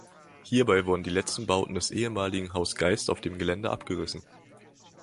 Hierbei wurden die letzten Bauten des ehemaligen Haus Geist auf dem Gelände abgerissen.